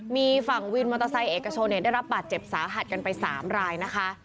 มีฝั่งวินมอเตอร์ไซค์เอกชนได้รับบาดเจ็บสาหัสกันไป๓รายนะคะ